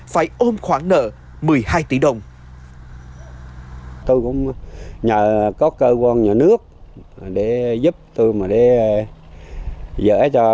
phải ôm khoản nợ một mươi hai tỷ đồng